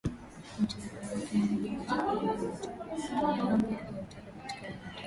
Matibabu yake maji machafu mmea matibabu kwa tumia upya au taka katika mito